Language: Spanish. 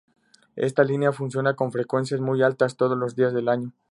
Esta línea funciona con frecuencias muy altas, todos los días del año.